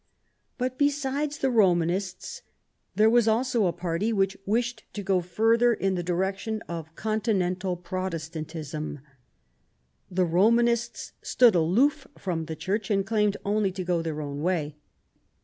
But, besides the Romanists, there was also a party which wished to go farther in the direction of Con tinental Protestantism. The Romanists stood aloof from the Church, and claimed only to go their own way.